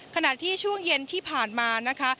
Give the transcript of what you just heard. ขณะที่ช่วงเย็นที่ผ่านมานะคะ